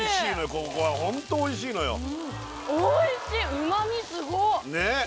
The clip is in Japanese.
ここはホントおいしいのよおいしい旨みすごっねっ